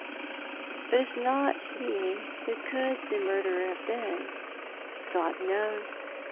" But if not he, who could the murderer have been ?"" God knows.